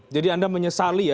jadi anda menyesali ya